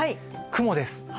雲です。